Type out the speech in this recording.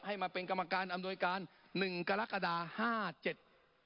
ให้มาเป็นกรรมการอำนวยการหนึ่งกรกฎาห้าเจ็ด